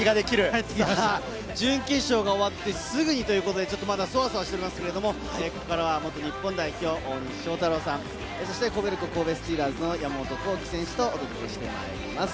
準決勝が終わってすぐにということで、ちょっとまだ、そわそわしていますけれど、ここからは元日本代表・大西将太郎さん、コベルコ神戸スティーラーズの山本幸輝選手とお届けしてまいります。